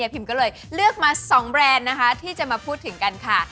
พิมก็เลยเลือกมา๒แบรนด์นะคะที่จะมาพูดถึงกันค่ะ